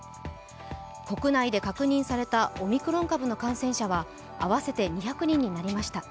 国内で確認されたオミクロン株の感染者は合わせて２００人になりました。